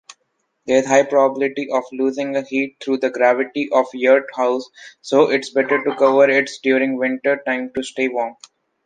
There is a high probability of losing a heat through the gravity of yurt house, so its better to cover it during winter time to stay warm.